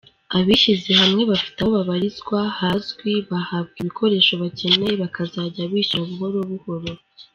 Abishyize hamwe bafite aho babarizwa hazwi bahabwa ibikoresho bakeneye bakazajya bishyura buhoro buhoro.